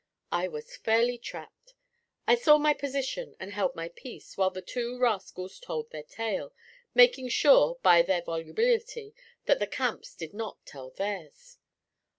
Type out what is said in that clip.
I was fairly trapped. I saw my position, and held my peace, while the two rascals told their tale, making sure by their volubility that the Camps did not tell theirs.